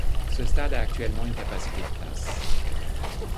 Ce stade a actuellement une capacité de places.